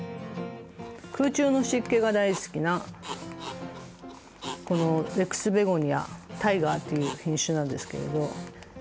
空中の湿気が大好きなこのレックスベゴニア・タイガーという品種なんですけれど。